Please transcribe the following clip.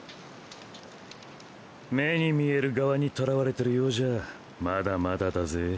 目に見える側に囚われてるようじゃまだまだだぜ。